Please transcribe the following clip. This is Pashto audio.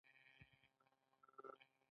آیا ننګ او ناموس ساتل د هر پښتون دنده نه ده؟